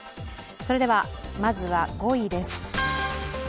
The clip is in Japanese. それでは、まずは５位です。